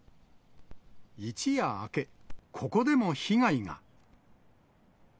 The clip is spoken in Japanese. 一夜明け、ここでも被害が。